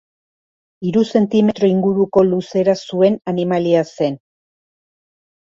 Hiru zentimetro inguruko luzera zuen animalia zen.